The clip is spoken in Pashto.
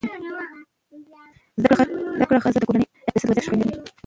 زده کړه ښځه د کورنۍ اقتصادي وضعیت ښه کوي.